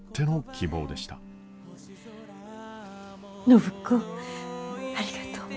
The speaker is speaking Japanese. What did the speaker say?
暢子ありがとう。